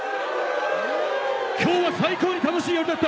今日は最高に楽しい夜だった！